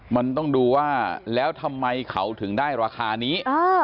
มันต้องดูว่าแล้วทำไมเขาถึงได้ราคานี้